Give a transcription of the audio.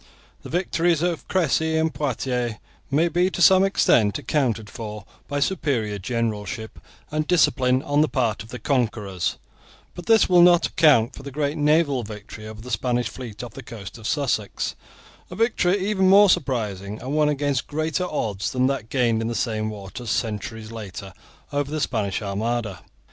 The victories of Cressy and Poitiers may be to some extent accounted for by superior generalship and discipline on the part of the conquerors; but this will not account for the great naval victory over the Spanish fleet off the coast of Sussex, a victory even more surprising and won against greater odds than was that gained in the same waters centuries later over the Spanish Armada.